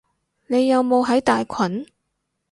你有冇喺大群？